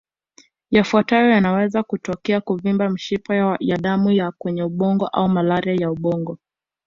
Yafuatayo yanaweza kutokea kuvimba mishipa ya damu ya kwenye ubongo au malaria ya ubongo